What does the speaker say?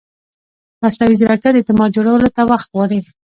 مصنوعي ځیرکتیا د اعتماد جوړولو ته وخت غواړي.